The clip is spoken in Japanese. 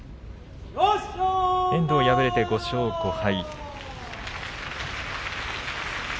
遠藤、敗れて５勝５敗。